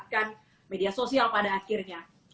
mereka cuma memanfaatkan media sosial pada akhirnya